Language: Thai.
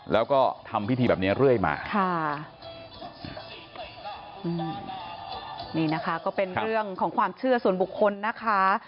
แล้วก็ทำพิธีแบบเนี้ยเรื่อยมาค่ะอืมนี่นะคะก็เป็นเรื่องของความเชื่อส่วนบุคคลนะคะ